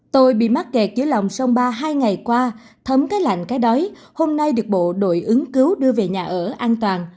tôi bị mắc kẹt dưới lòng sông ba hai ngày qua thấm cái lạnh cái đói hôm nay được bộ đội ứng cứu đưa về nhà ở an toàn